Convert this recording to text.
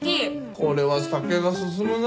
これは酒が進むな。